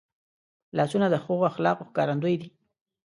لاسونه د ښو اخلاقو ښکارندوی دي